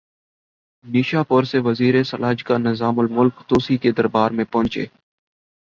نیشا پور سے وزیر سلاجقہ نظام الملک طوسی کے دربار میں پہنچے